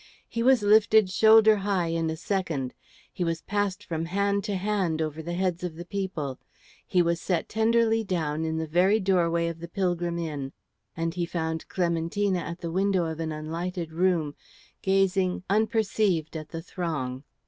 He was lifted shoulder high in a second; he was passed from hand to hand over the heads of the people; he was set tenderly down in the very doorway of the Pilgrim Inn, and he found Clementina at the window of an unlighted room gazing unperceived at the throng.